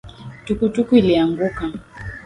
Tukutuku ilianguka